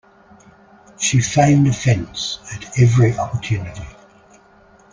She feigned offense at every opportunity.